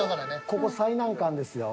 ここ最難関ですよ。